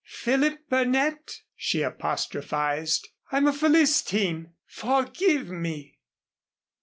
Philip Burnett," she apostrophized, "I'm a Philistine. Forgive me."